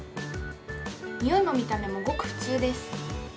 においも見た目もごく普通です。